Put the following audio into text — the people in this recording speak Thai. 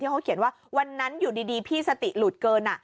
เขาเขียนว่าวันนั้นอยู่ดีพี่สติหลุดเกิน